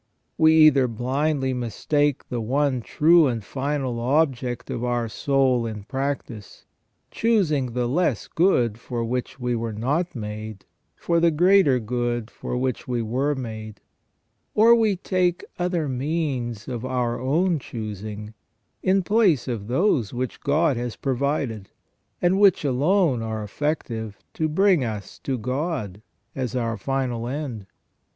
We either blindly mistake the one true and final object of our soul in practice, choosing the less good for which we were not made for the greater good for which we were made ; or we take other means of our own choosing, in place of those which God has provided, and which alone are effective, to bring us to God as our final end.